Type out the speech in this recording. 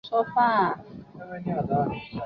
其他铭文描绘他为国家宗教仪式的组织者。